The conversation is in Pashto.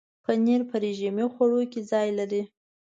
پنېر په رژیمي خواړو کې ځای لري.